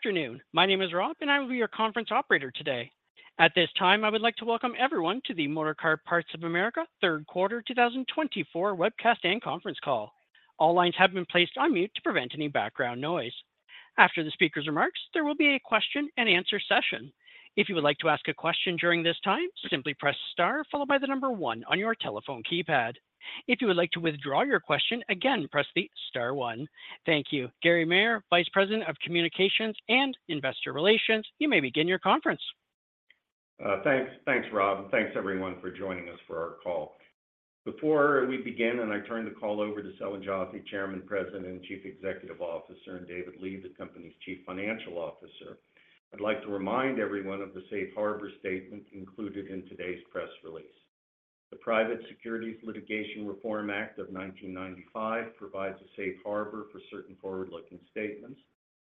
Good afternoon. My name is Rob, and I will be your conference operator today. At this time, I would like to welcome everyone to the Motorcar Parts of America third quarter 2024 webcast and conference call. All lines have been placed on mute to prevent any background noise. After the speaker's remarks, there will be a question and answer session. If you would like to ask a question during this time, simply press Star followed by the number 1 on your telephone keypad. If you would like to withdraw your question again, press the Star 1. Thank you. Gary Maier, Vice President of Communications and Investor Relations, you may begin your conference. Thanks. Thanks, Rob, and thanks everyone for joining us for our call. Before we begin, and I turn the call over to Selwyn Joffe, Chairman, President, and Chief Executive Officer, and David Lee, the company's Chief Financial Officer, I'd like to remind everyone of the safe harbor statement included in today's press release. The Private Securities Litigation Reform Act of 1995 provides a safe harbor for certain forward-looking statements,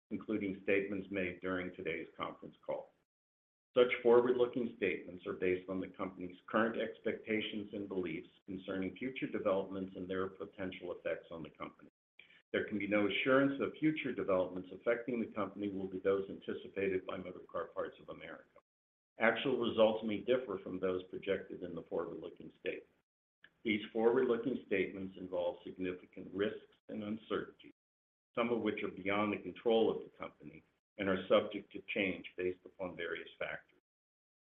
including statements made during today's conference call. Such forward-looking statements are based on the company's current expectations and beliefs concerning future developments and their potential effects on the company. There can be no assurance that future developments affecting the company will be those anticipated by Motorcar Parts of America. Actual results may differ from those projected in the forward-looking statement. These forward-looking statements involve significant risks and uncertainties, some of which are beyond the control of the company and are subject to change based upon various factors.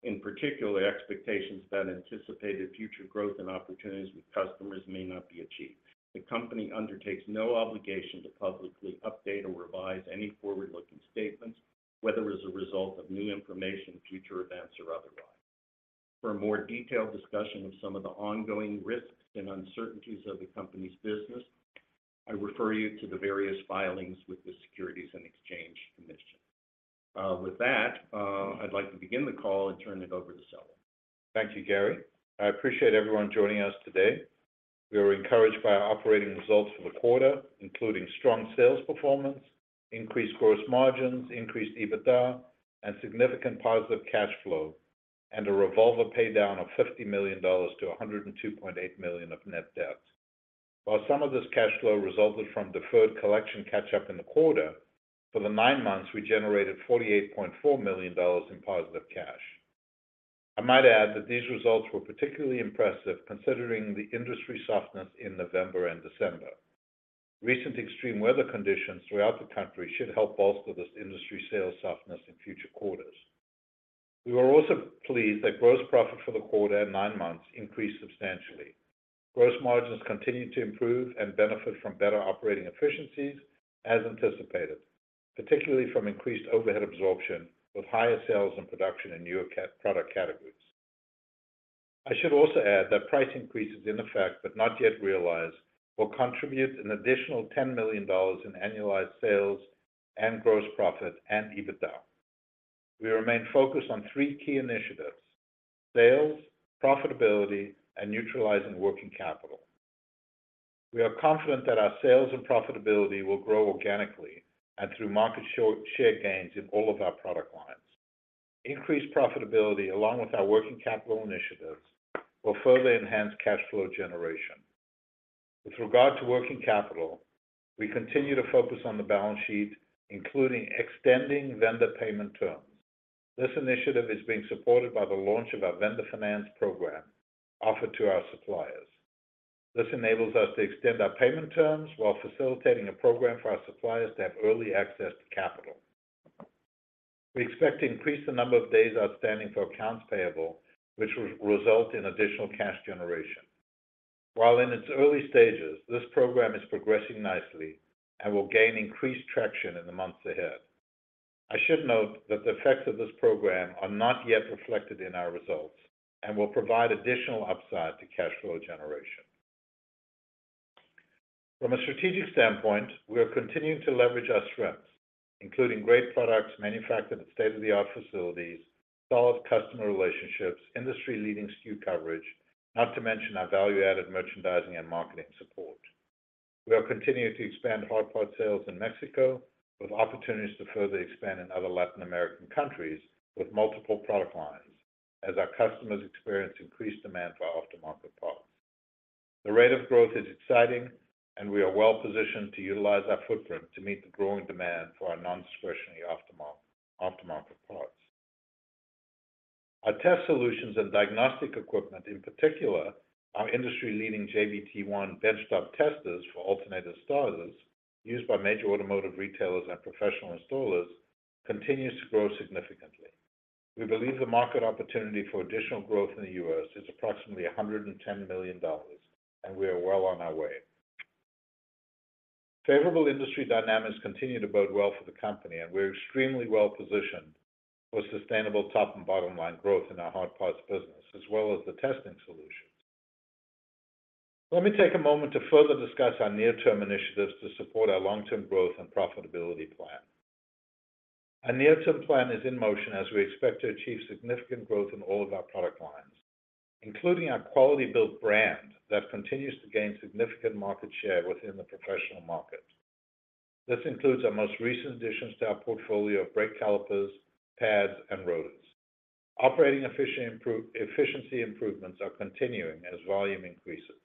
In particular, expectations that anticipated future growth and opportunities with customers may not be achieved. The company undertakes no obligation to publicly update or revise any forward-looking statements, whether as a result of new information, future events, or otherwise. For a more detailed discussion of some of the ongoing risks and uncertainties of the company's business, I refer you to the various filings with the Securities and Exchange Commission. With that, I'd like to begin the call and turn it over to Selwyn. Thank you, Gary. I appreciate everyone joining us today. We are encouraged by our operating results for the quarter, including strong sales performance, increased gross margins, increased EBITDA, and significant positive cash flow, and a revolver paydown of $50 million to $102.8 million of net debt. While some of this cash flow resulted from deferred collection catch-up in the quarter, for the nine months, we generated $48.4 million in positive cash. I might add that these results were particularly impressive, considering the industry softness in November and December. Recent extreme weather conditions throughout the country should help bolster this industry sales softness in future quarters. We were also pleased that gross profit for the quarter and nine months increased substantially. Gross margins continued to improve and benefit from better operating efficiencies as anticipated, particularly from increased overhead absorption, with higher sales and production in newer product categories. I should also add that price increases in effect, but not yet realized, will contribute an additional $10 million in annualized sales and gross profit and EBITDA. We remain focused on three key initiatives: sales, profitability, and neutralizing working capital. We are confident that our sales and profitability will grow organically and through market share, share gains in all of our product lines. Increased profitability, along with our working capital initiatives, will further enhance cash flow generation. With regard to working capital, we continue to focus on the balance sheet, including extending vendor payment terms. This initiative is being supported by the launch of our vendor finance program offered to our suppliers. This enables us to extend our payment terms while facilitating a program for our suppliers to have early access to capital. We expect to increase the number of days outstanding for accounts payable, which will result in additional cash generation. While in its early stages, this program is progressing nicely and will gain increased traction in the months ahead. I should note that the effects of this program are not yet reflected in our results and will provide additional upside to cash flow generation. From a strategic standpoint, we are continuing to leverage our strengths, including great products manufactured in state-of-the-art facilities, solid customer relationships, industry-leading SKU coverage, not to mention our value-added merchandising and marketing support. We are continuing to expand hard part sales in Mexico, with opportunities to further expand in other Latin American countries with multiple product lines as our customers experience increased demand for aftermarket parts. The rate of growth is exciting, and we are well positioned to utilize our footprint to meet the growing demand for our non-discretionary aftermarket, aftermarket parts. Our test solutions and diagnostic equipment, in particular, our industry-leading JBT-1 benchtop testers for alternators and starters, used by major automotive retailers and professional installers, continues to grow significantly. We believe the market opportunity for additional growth in the U.S. is approximately $110 million, and we are well on our way. Favorable industry dynamics continue to bode well for the company, and we're extremely well positioned for sustainable top and bottom line growth in our hard parts business, as well as the testing solutions. Let me take a moment to further discuss our near-term initiatives to support our long-term growth and profitability plan. Our near-term plan is in motion as we expect to achieve significant growth in all of our product lines, including our Quality-Built brand that continues to gain significant market share within the professional market. This includes our most recent additions to our portfolio of brake calipers, pads, and rotors. Operating efficiency improvements are continuing as volume increases.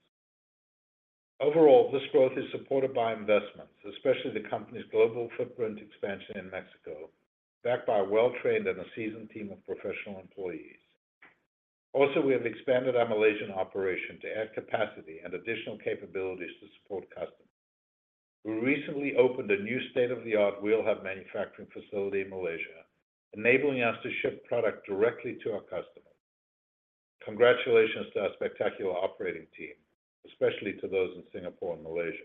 Overall, this growth is supported by investments, especially the company's global footprint expansion in Mexico, backed by a well-trained and a seasoned team of professional employees. Also, we have expanded our Malaysian operation to add capacity and additional capabilities to support customers. We recently opened a new state-of-the-art wheel hub manufacturing facility in Malaysia, enabling us to ship product directly to our customers. Congratulations to our spectacular operating team, especially to those in Singapore and Malaysia.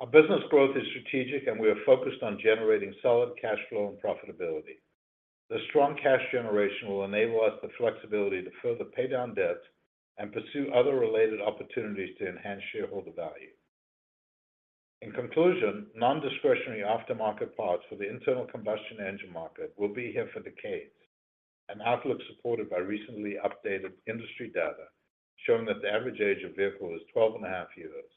Our business growth is strategic, and we are focused on generating solid cash flow and profitability. The strong cash generation will enable us the flexibility to further pay down debt and pursue other related opportunities to enhance shareholder value. In conclusion, non-discretionary aftermarket parts for the internal combustion engine market will be here for decades, an outlook supported by recently updated industry data showing that the average age of vehicle is 12.5 years.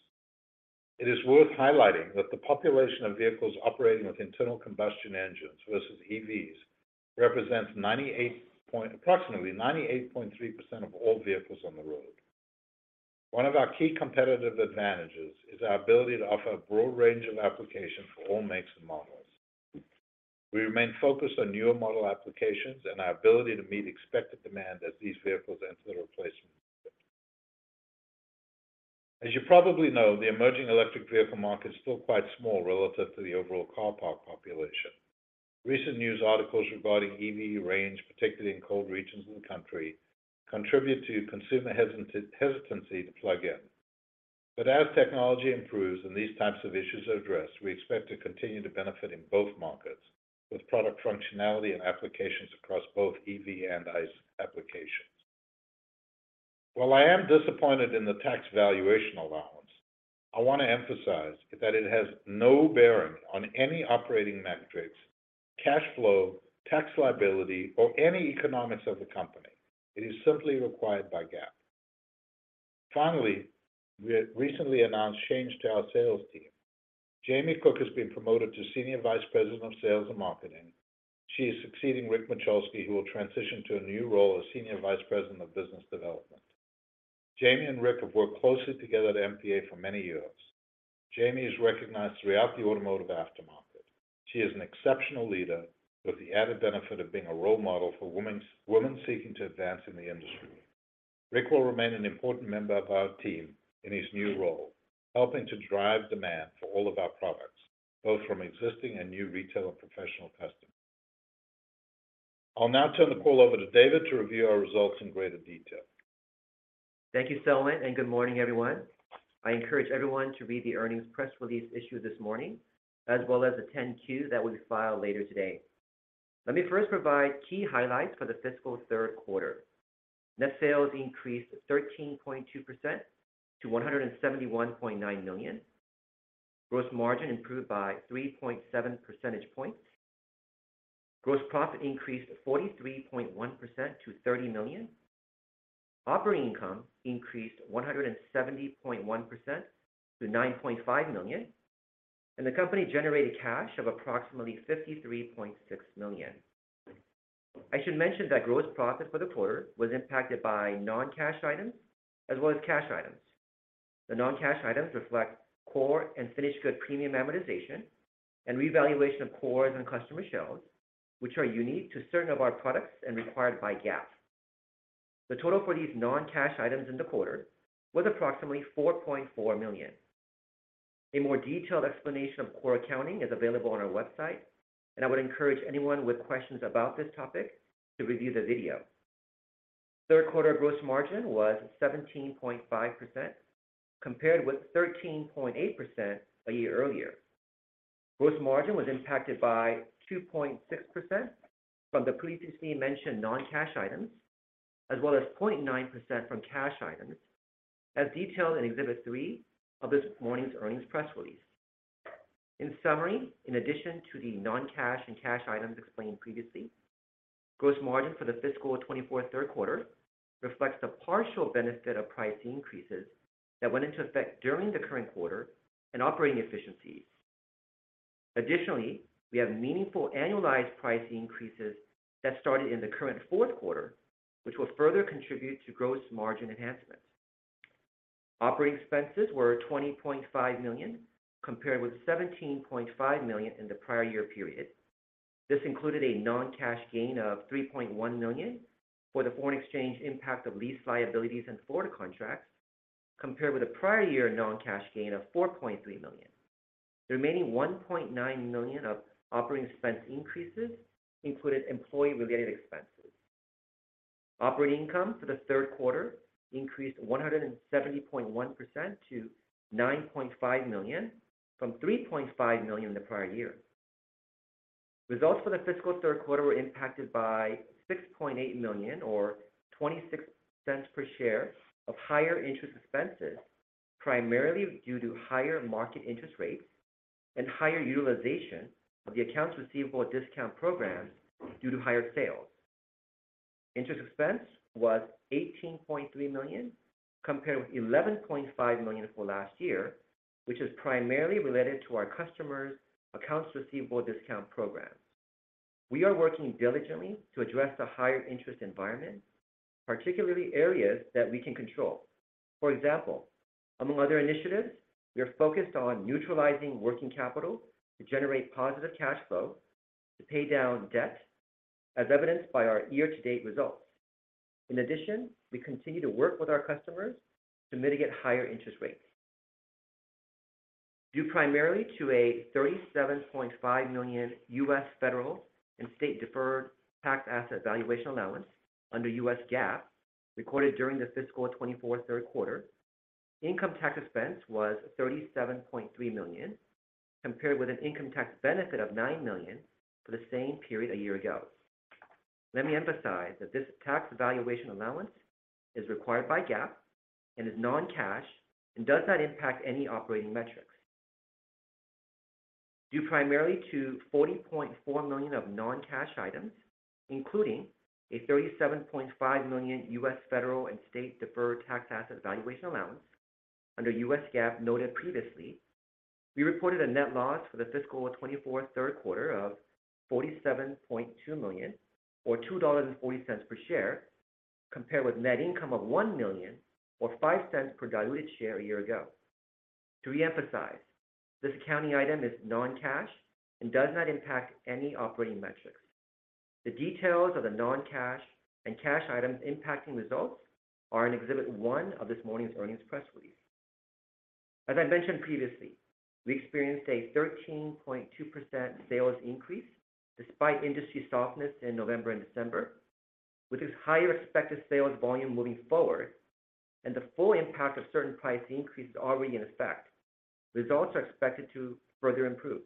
It is worth highlighting that the population of vehicles operating with internal combustion engines versus EVs represents approximately 98.3% of all vehicles on the road. One of our key competitive advantages is our ability to offer a broad range of applications for all makes and models. We remain focused on newer model applications and our ability to meet expected demand as these vehicles enter the replacement. As you probably know, the emerging electric vehicle market is still quite small relative to the overall car parc population. Recent news articles regarding EV range, particularly in cold regions of the country, contribute to consumer hesitancy to plug in. But as technology improves and these types of issues are addressed, we expect to continue to benefit in both markets with product functionality and applications across both EV and ICE applications. While I am disappointed in the tax valuation allowance, I want to emphasize that it has no bearing on any operating metrics, cash flow, tax liability, or any economics of the company. It is simply required by GAAP. Finally, we recently announced change to our sales team. Jamie Cook has been promoted to Senior Vice President of Sales and Marketing. She is succeeding Rick Mochulsky, who will transition to a new role as Senior Vice President of Business Development. Jamie and Rick have worked closely together at MPA for many years. Jamie is recognized throughout the automotive aftermarket. She is an exceptional leader with the added benefit of being a role model for women seeking to advance in the industry. Rick will remain an important member of our team in his new role, helping to drive demand for all of our products, both from existing and new retail and professional customers. I'll now turn the call over to David to review our results in greater detail. Thank you, Selwyn, and good morning, everyone. I encourage everyone to read the earnings press release issued this morning, as well as the 10-Q that will be filed later today. Let me first provide key highlights for the fiscal third quarter. Net sales increased 13.2% to $171.9 million. Gross margin improved by 3.7 percentage points. Gross profit increased 43.1% to $30 million. Operating income increased 170.1% to $9.5 million, and the company generated cash of approximately $53.6 million. I should mention that gross profit for the quarter was impacted by non-cash items as well as cash items. The non-cash items reflect core and finished good premium amortization and revaluation of cores and customer shelves, which are unique to certain of our products and required by GAAP. The total for these non-cash items in the quarter was approximately $4.4 million. A more detailed explanation of core accounting is available on our website, and I would encourage anyone with questions about this topic to review the video. Third quarter gross margin was 17.5%, compared with 13.8% a year earlier. Gross margin was impacted by 2.6% from the previously mentioned non-cash items, as well as 0.9% from cash items, as detailed in Exhibit 3 of this morning's earnings press release. In summary, in addition to the non-cash and cash items explained previously, gross margin for the fiscal 2024 third quarter reflects the partial benefit of price increases that went into effect during the current quarter and operating efficiencies. Additionally, we have meaningful annualized price increases that started in the current fourth quarter, which will further contribute to gross margin enhancements. Operating expenses were $20.5 million, compared with $17.5 million in the prior year period. This included a non-cash gain of $3.1 million for the foreign exchange impact of lease liabilities and forward contracts, compared with a prior year non-cash gain of $4.3 million. The remaining $1.9 million of operating expense increases included employee-related expenses. Operating income for the third quarter increased 170.1% to $9.5 million from $3.5 million the prior year. Results for the fiscal third quarter were impacted by $6.8 million or $0.26 per share of higher interest expenses, primarily due to higher market interest rates and higher utilization of the accounts receivable discount program due to higher sales. Interest expense was $18.3 million, compared with $11.5 million for last year, which is primarily related to our customers' accounts receivable discount programs.... We are working diligently to address the higher interest environment, particularly areas that we can control. For example, among other initiatives, we are focused on neutralizing working capital to generate positive cash flow to pay down debt, as evidenced by our year-to-date results. In addition, we continue to work with our customers to mitigate higher interest rates. Due primarily to a $37.5 million U.S. federal and state deferred tax asset valuation allowance under U.S. GAAP, recorded during the fiscal 2024 third quarter, income tax expense was $37.3 million, compared with an income tax benefit of $9 million for the same period a year ago. Let me emphasize that this tax valuation allowance is required by GAAP and is non-cash and does not impact any operating metrics. Due primarily to $40.4 million of non-cash items, including a $37.5 million U.S. federal and state deferred tax asset valuation allowance under U.S. GAAP noted previously, we reported a net loss for the fiscal 2024 third quarter of $47.2 million, or $2.40 per share, compared with net income of $1 million or $0.05 per diluted share a year ago. To reemphasize, this accounting item is non-cash and does not impact any operating metrics. The details of the non-cash and cash items impacting results are in Exhibit 1 of this morning's earnings press release. As I mentioned previously, we experienced a 13.2% sales increase despite industry softness in November and December. With this higher expected sales volume moving forward and the full impact of certain price increases already in effect, results are expected to further improve.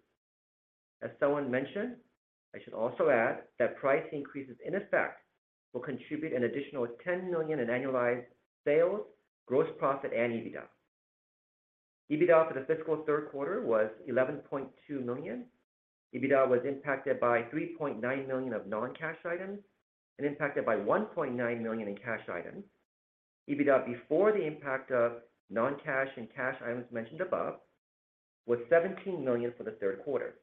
As Selwyn mentioned, I should also add that price increases in effect will contribute an additional $10 million in annualized sales, gross profit, and EBITDA. EBITDA for the fiscal third quarter was $11.2 million. EBITDA was impacted by $3.9 million of non-cash items and impacted by $1.9 million in cash items. EBITDA, before the impact of non-cash and cash items mentioned above, was $17 million for the third quarter.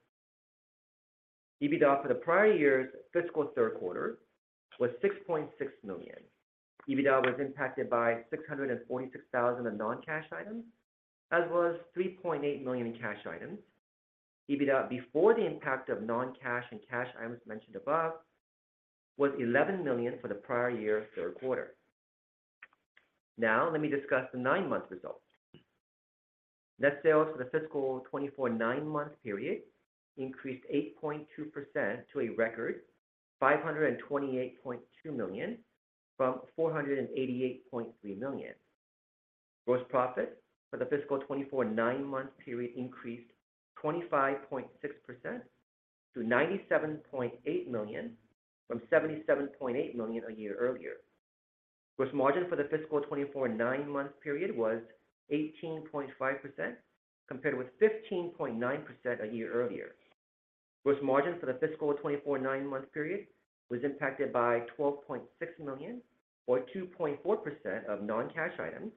EBITDA for the prior year's fiscal third quarter was $6.6 million. EBITDA was impacted by $646,000 in non-cash items, as well as $3.8 million in cash items. EBITDA, before the impact of non-cash and cash items mentioned above, was $11 million for the prior year third quarter. Now, let me discuss the nine-month results. Net sales for the fiscal 2024 nine-month period increased 8.2% to a record $528.2 million from $488.3 million. Gross profit for the fiscal 2024 nine-month period increased 25.6% to $97.8 million, from $77.8 million a year earlier. Gross margin for the fiscal 2024 nine-month period was 18.5%, compared with 15.9% a year earlier. Gross margin for the fiscal 2024 nine-month period was impacted by $12.6 million, or 2.4% of non-cash items,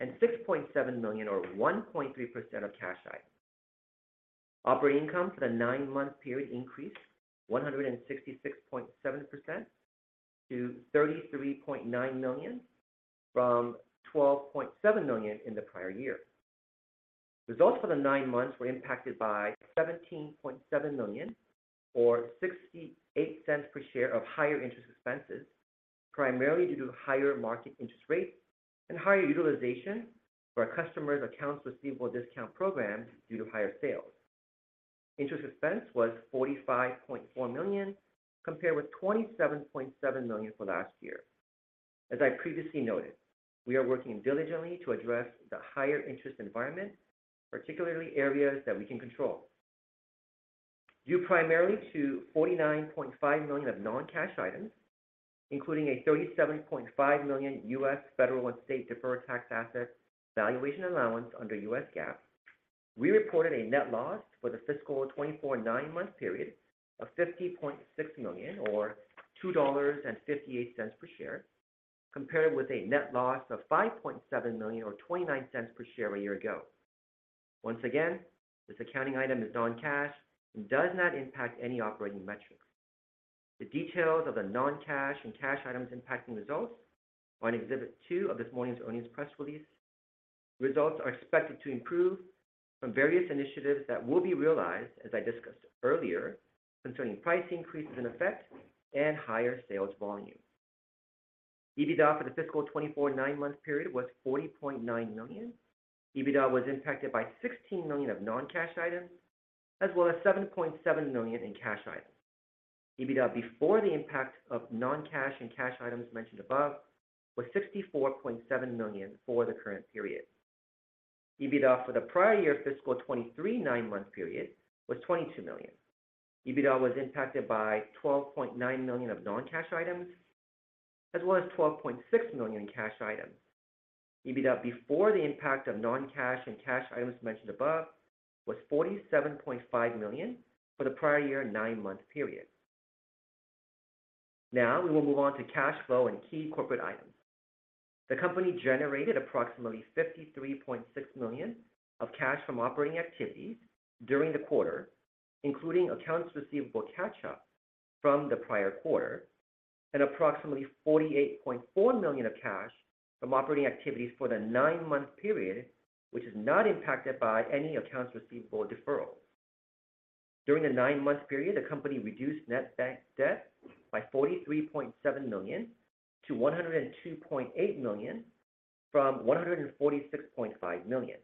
and $6.7 million or 1.3% of cash items. Operating income for the nine-month period increased 166.7% to $33.9 million, from $12.7 million in the prior year. Results for the nine months were impacted by $17.7 million, or 68 cents per share of higher interest expenses, primarily due to higher market interest rates and higher utilization for our customers' accounts receivable discount programs due to higher sales. Interest expense was $45.4 million, compared with $27.7 million for last year. As I previously noted, we are working diligently to address the higher interest environment, particularly areas that we can control. Due primarily to $49.5 million of non-cash items, including a $37.5 million U.S. federal and state deferred tax asset valuation allowance under U.S. GAAP, we reported a net loss for the fiscal 2024 nine-month period of $50.6 million, or $2.58 per share, compared with a net loss of $5.7 million, or $0.29 per share a year ago. Once again, this accounting item is non-cash and does not impact any operating metrics. The details of the non-cash and cash items impacting results are in Exhibit Two of this morning's earnings press release. Results are expected to improve from various initiatives that will be realized, as I discussed earlier, concerning price increases in effect and higher sales volume. EBITDA for the fiscal 2024 nine-month period was $40.9 million. EBITDA was impacted by $16 million of non-cash items, as well as $7.7 million in cash items. EBITDA before the impact of non-cash and cash items mentioned above was $64.7 million for the current period. EBITDA for the prior year fiscal 2023 nine-month period was $22 million. EBITDA was impacted by $12.9 million of non-cash items, as well as $12.6 million in cash items. EBITDA, before the impact of non-cash and cash items mentioned above, was $47.5 million for the prior year nine-month period. Now we will move on to cash flow and key corporate items. The company generated approximately $53.6 million of cash from operating activities during the quarter, including accounts receivable catch-up from the prior quarter, and approximately $48.4 million of cash from operating activities for the nine-month period, which is not impacted by any accounts receivable deferral. During the nine-month period, the company reduced net bank debt by $43.7 million to $102.8 million, from $146.5 million.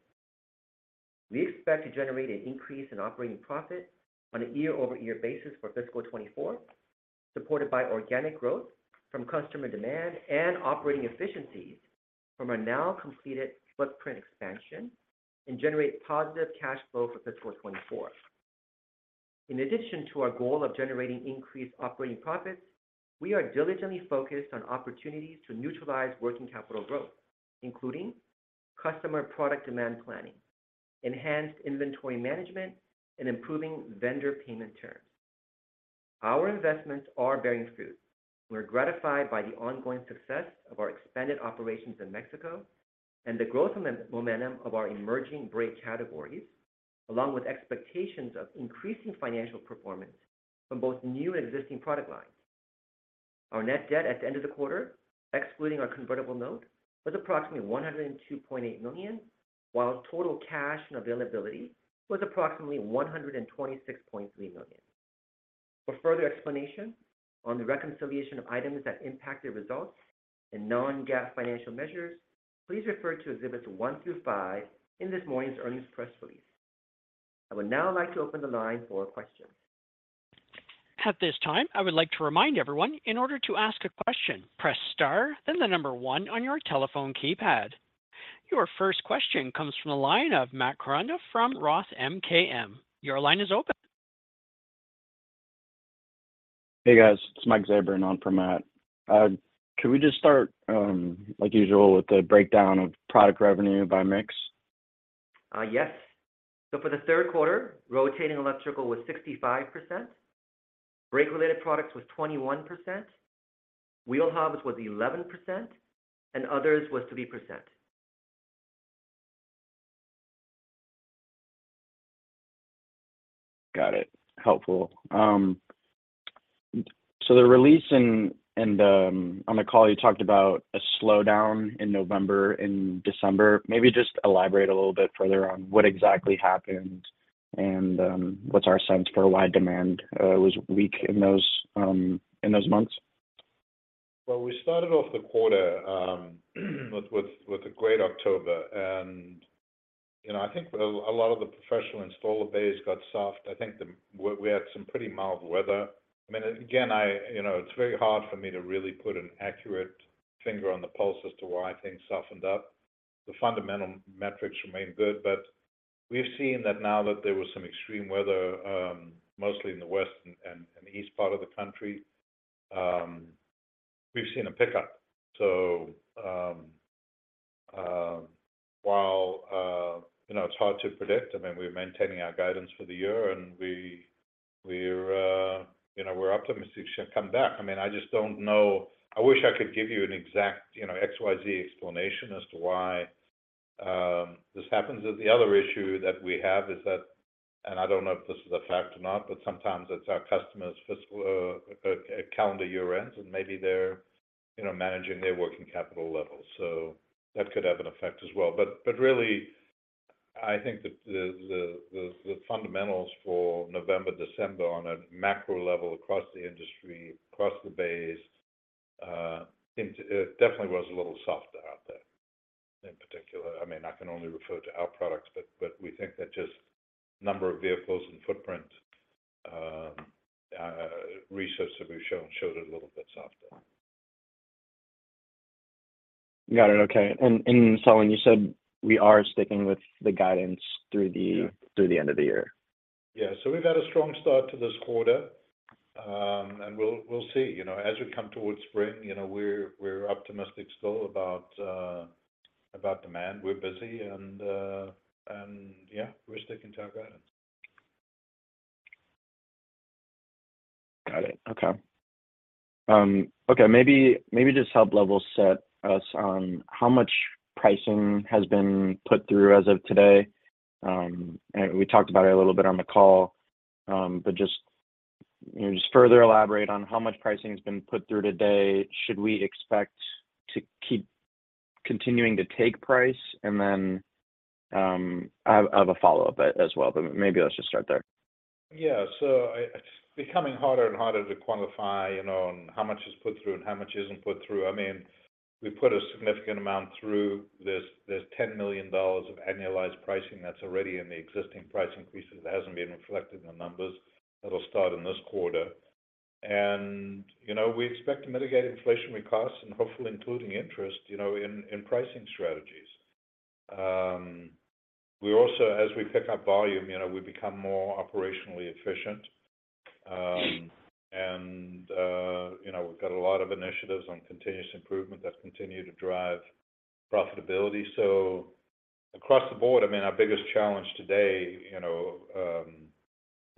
We expect to generate an increase in operating profit on a year-over-year basis for fiscal 2024, supported by organic growth from customer demand and operating efficiencies from our now completed footprint expansion, and generate positive cash flow for fiscal 2024. In addition to our goal of generating increased operating profits, we are diligently focused on opportunities to neutralize working capital growth, including customer product demand planning, enhanced inventory management, and improving vendor payment terms. Our investments are bearing fruit. We're gratified by the ongoing success of our expanded operations in Mexico and the growth momentum of our emerging brake categories, along with expectations of increasing financial performance from both new and existing product lines. Our net debt at the end of the quarter, excluding our convertible note, was approximately $102.8 million, while total cash and availability was approximately $126.3 million. For further explanation on the reconciliation of items that impact the results and non-GAAP financial measures, please refer to Exhibits one through five in this morning's earnings press release. I would now like to open the line for questions. At this time, I would like to remind everyone, in order to ask a question, press star, then the number one on your telephone keypad. Your first question comes from the line of Matt Koranda from Roth MKM. Your line is open. Hey, guys, it's Mike Zabran on for Matt. Can we just start, like usual, with the breakdown of product revenue by mix? Yes. So for the third quarter, rotating electrical was 65%, brake-related products was 21%, wheel hubs was 11%, and others was 3%. Got it. Helpful. So the release and on the call, you talked about a slowdown in November and December. Maybe just elaborate a little bit further on what exactly happened and what's our sense for why demand was weak in those months? Well, we started off the quarter with a great October and, you know, I think a lot of the professional installer base got soft. I think we had some pretty mild weather. I mean, again, you know, it's very hard for me to really put an accurate finger on the pulse as to why things softened up. The fundamental metrics remain good, but we've seen that now that there was some extreme weather, mostly in the west and the east part of the country, we've seen a pickup. So, while, you know, it's hard to predict, I mean, we're maintaining our guidance for the year, and we're optimistic she'll come back. I mean, I just don't know. I wish I could give you an exact, you know, XYZ explanation as to why this happens. The other issue that we have is that, and I don't know if this is a fact or not, but sometimes it's our customers' fiscal calendar year ends, and maybe they're, you know, managing their working capital levels, so that could have an effect as well. But really, I think the fundamentals for November, December, on a macro level, across the industry, across the base, into it definitely was a little softer out there in particular. I mean, I can only refer to our products, but we think that just number of vehicles and footprint research that we've shown it a little bit softer. Got it. Okay. And so when you said we are sticking with the guidance through the- Yeah... through the end of the year. Yeah. So we've had a strong start to this quarter, and we'll see. You know, as we come towards spring, you know, we're optimistic still about demand. We're busy, and yeah, we're sticking to our guidance. Got it. Okay. Okay, maybe just help level set us on how much pricing has been put through as of today. And we talked about it a little bit on the call, but just, you know, just further elaborate on how much pricing has been put through today. Should we expect to keep continuing to take price? And then, I have a follow-up as well, but maybe let's just start there. Yeah. So it's becoming harder and harder to quantify, you know, on how much is put through and how much isn't put through. I mean, we put a significant amount through. There's $10 million of annualized pricing that's already in the existing price increases that hasn't been reflected in the numbers. That'll start in this quarter. And, you know, we expect to mitigate inflationary costs and hopefully including interest, you know, in pricing strategies. We also, as we pick up volume, you know, we become more operationally efficient. And, you know, we've got a lot of initiatives on continuous improvement that continue to drive profitability. So across the board, I mean, our biggest challenge today, you know,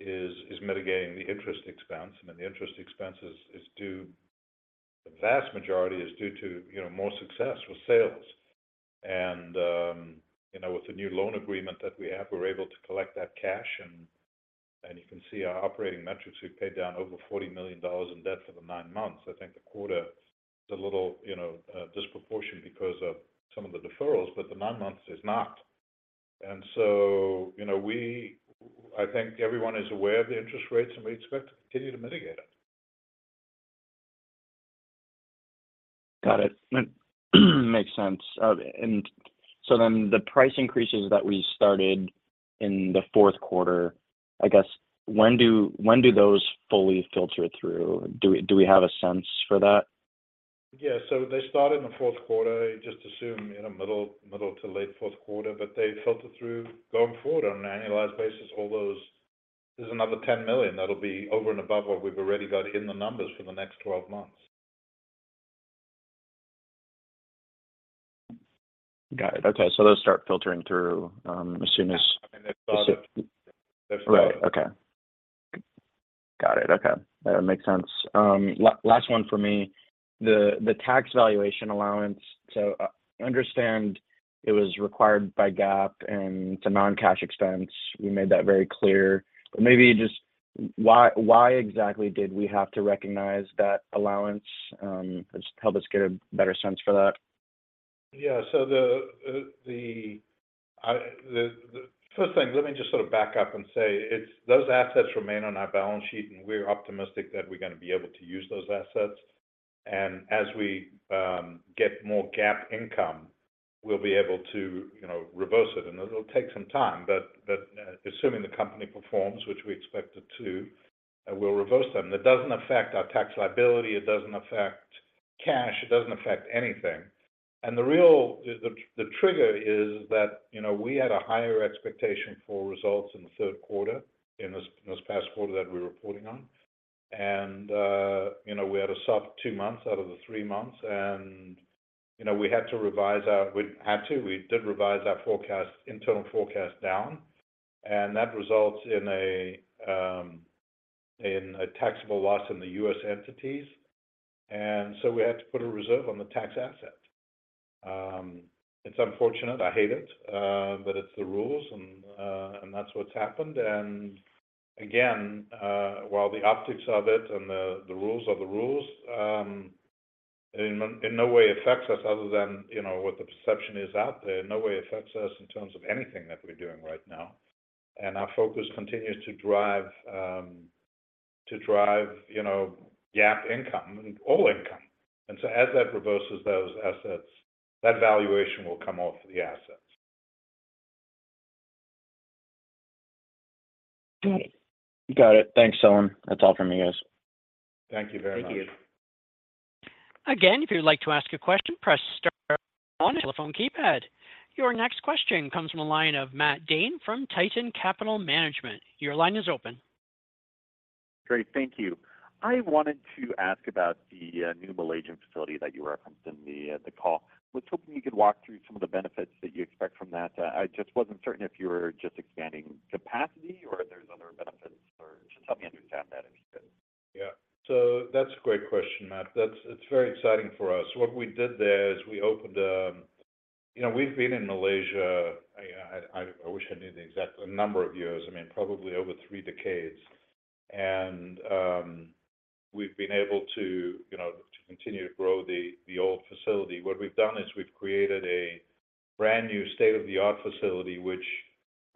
is mitigating the interest expense. I mean, the interest expense is due—the vast majority is due to, you know, more success with sales. And, you know, with the new loan agreement that we have, we're able to collect that cash, and you can see our operating metrics. We've paid down over $40 million in debt for the nine months. I think the quarter is a little, you know, disproportionate because of some of the deferrals, but the nine months is not. And so, you know, we—I think everyone is aware of the interest rates, and we expect to continue to mitigate it. Got it. Makes sense. And so then the price increases that we started in the fourth quarter, I guess, when do those fully filter through? Do we have a sense for that? Yeah. So they started in the fourth quarter, just assume, you know, middle, middle to late fourth quarter, but they filter through going forward on an annualized basis. All those... There's another $10 million that'll be over and above what we've already got in the numbers for the next twelve months. Got it. Okay, so those start filtering through as soon as- I mean, they've started. They've started. Right. Okay. Got it. Okay, that makes sense. Last one for me, the tax valuation allowance, so I understand it was required by GAAP and it's a non-cash expense. You made that very clear. But maybe just why, why exactly did we have to recognize that allowance? Just help us get a better sense for that. Yeah. So first thing, let me just sort of back up and say, it's those assets remain on our balance sheet, and we're optimistic that we're gonna be able to use those assets. And as we get more GAAP income, we'll be able to, you know, reverse it, and it'll take some time. But assuming the company performs, which we expect it to, we'll reverse them. It doesn't affect our tax liability, it doesn't affect cash, it doesn't affect anything. And the real trigger is that, you know, we had a higher expectation for results in the third quarter, in this past quarter that we're reporting on. And, you know, we had a soft two months out of the three months and, you know, we had to revise our... We had to, we did revise our forecast, internal forecast down, and that results in a taxable loss in the U.S. entities, and so we had to put a reserve on the tax asset. It's unfortunate, I hate it, but it's the rules, and that's what's happened. And again, while the optics of it and the rules are the rules, it in no way affects us other than, you know, what the perception is out there. In no way affects us in terms of anything that we're doing right now, and our focus continues to drive to drive, you know, GAAP income and all income. And so as that reverses those assets, that valuation will come off the assets. Got it. Got it. Thanks, Selwyn. That's all from me, guys. Thank you very much. Thank you. Again, if you'd like to ask a question, press star on your telephone keypad. Your next question comes from the line of Matt Dane from Titan Capital Management. Your line is open. Great. Thank you. I wanted to ask about the new Malaysian facility that you referenced in the call. I was hoping you could walk through some of the benefits that you expect from that. I just wasn't certain if you were just expanding capacity or if there's other benefits, or just help me understand that, if you could. Yeah. So that's a great question, Matt. That's. It's very exciting for us. What we did there is we opened a... You know, we've been in Malaysia. I wish I knew the exact number of years, I mean, probably over three decades. We've been able to, you know, to continue to grow the old facility. What we've done is we've created a brand-new, state-of-the-art facility, which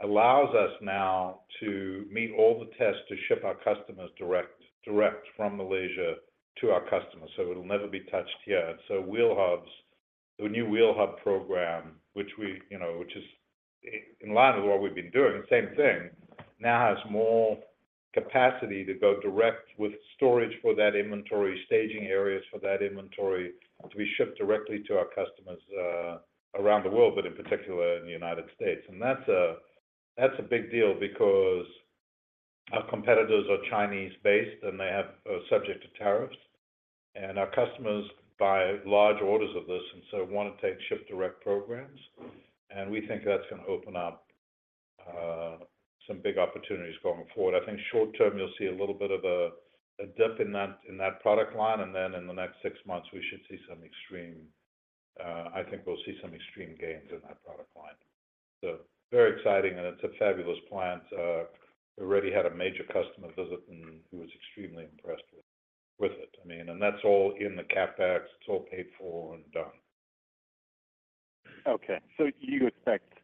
allows us now to meet all the tests to ship our customers direct from Malaysia to our customers, so it'll never be touched here. So wheel hubs, the new wheel hub program, which we, you know, which is in line with what we've been doing, same thing, now has more capacity to go direct with storage for that inventory, staging areas for that inventory, to be shipped directly to our customers around the world, but in particular in the United States. And that's a big deal because our competitors are Chinese-based, and they have, are subject to tariffs. And our customers buy large orders of this, and so want to take ship direct programs, and we think that's gonna open up some big opportunities going forward. I think short term, you'll see a little bit of a dip in that product line, and then in the next six months, we should see some extreme gains in that product line. So very exciting, and it's a fabulous plant. We already had a major customer visit, and who was extremely impressed with it. I mean, and that's all in the CapEx. It's all paid for and done. Okay, so you expect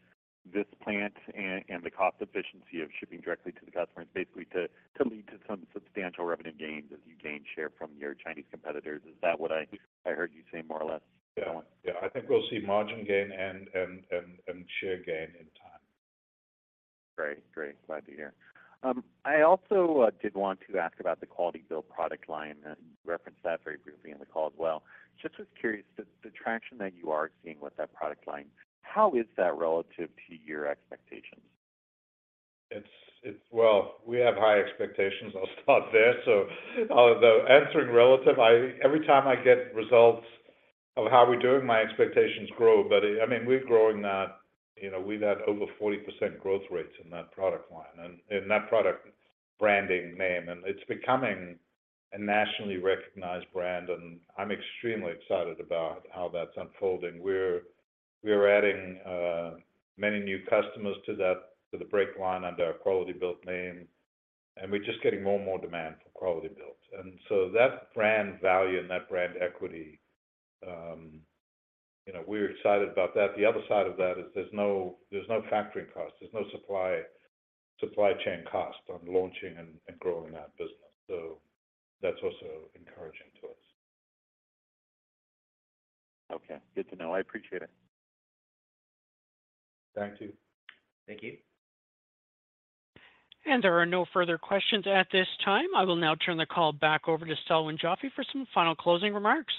this plant and the cost efficiency of shipping directly to the customers basically to lead to some substantial revenue gains as you gain share from your Chinese competitors? Is that what I heard you say more or less, Selwyn? Yeah. Yeah, I think we'll see margin gain and share gain in time. Great. Great, glad to hear. I also did want to ask about the Quality-Built product line, and you referenced that very briefly in the call as well. Just was curious, the traction that you are seeing with that product line, how is that relative to your expectations?... It's well, we have high expectations. I'll start there. So although answering relative, every time I get results of how we're doing, my expectations grow. But I mean, we're growing that, you know, we've had over 40% growth rates in that product line and in that product branding name, and it's becoming a nationally recognized brand, and I'm extremely excited about how that's unfolding. We're adding many new customers to that, to the brake line under our Quality-Built name, and we're just getting more and more demand for Quality-Built. And so that brand value and that brand equity, you know, we're excited about that. The other side of that is there's no factoring cost, there's no supply chain cost on launching and growing that business. So that's also encouraging to us. Okay, good to know. I appreciate it. Thank you. Thank you. There are no further questions at this time. I will now turn the call back over to Selwyn Joffe for some final closing remarks.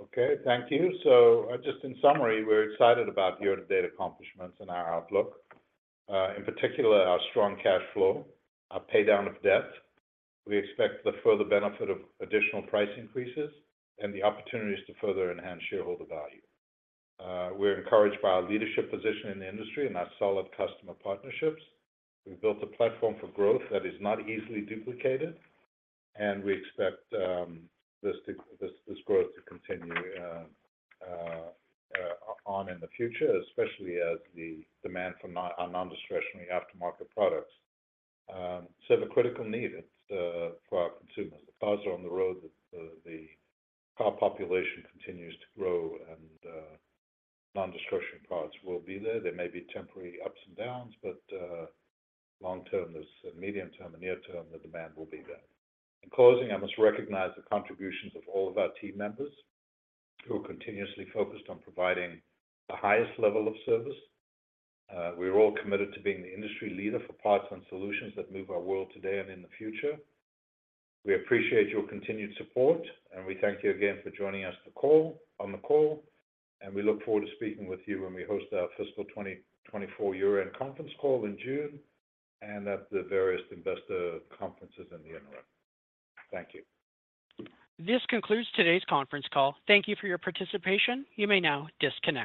Okay, thank you. So just in summary, we're excited about year-to-date accomplishments and our outlook, in particular, our strong cash flow, our pay down of debt. We expect the further benefit of additional price increases and the opportunities to further enhance shareholder value. We're encouraged by our leadership position in the industry and our solid customer partnerships. We've built a platform for growth that is not easily duplicated, and we expect this growth to continue on in the future, especially as the demand for our non-discretionary aftermarket products serve a critical need. It's for our consumers. The cars are on the road, the car population continues to grow, and non-discretionary products will be there. There may be temporary ups and downs, but, long term, there's a medium term, and near term, the demand will be there. In closing, I must recognize the contributions of all of our team members who are continuously focused on providing the highest level of service. We are all committed to being the industry leader for parts and solutions that move our world today and in the future. We appreciate your continued support, and we thank you again for joining us the call, on the call, and we look forward to speaking with you when we host our fiscal 2024 year-end conference call in June, and at the various investor conferences in the interim. Thank you. This concludes today's conference call. Thank you for your participation. You may now disconnect.